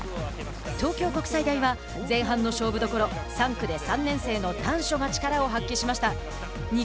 東京国際大は前半の勝負どころ３区で３年生の丹所が力を発揮しました。